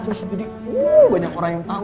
terus jadi wuuu gak ada orang yang tau